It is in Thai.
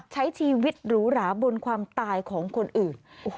ใช้ชีวิตหรูหราบนความตายของคนอื่น